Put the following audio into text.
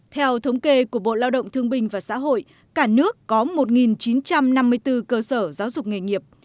theo thống kê của bộ lao động thương binh và xã hội cả nước có một chín trăm năm mươi bốn cơ sở giáo dục nghề nghiệp